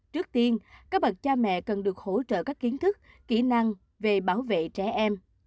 trước tiên các bậc cha mẹ cần được hỗ trợ các kiến thức kỹ năng về bảo vệ trẻ em